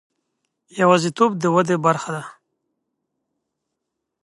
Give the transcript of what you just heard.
یوازیتوب د ودې برخه ده.